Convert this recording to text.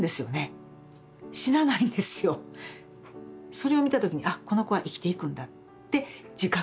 それを見た時にあっこの子は生きていくんだって自覚